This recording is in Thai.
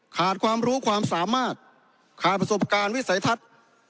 ขาดความรู้ความสามารถขาดประสบการณ์วิสัยทัศน์